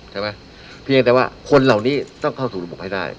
เพียงแต่ว่าคนเหล่านี้ต้องเข้าสู่ระบบให้ได้